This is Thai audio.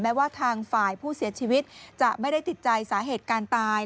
ว่าทางฝ่ายผู้เสียชีวิตจะไม่ได้ติดใจสาเหตุการตาย